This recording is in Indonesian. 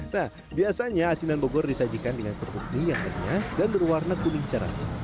nah biasanya asinan bogor disajikan dengan kerupuk mie yang renyah dan berwarna kuning cerah